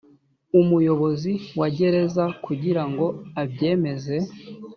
umuyobozi wa gereza kugira ngo abyemeze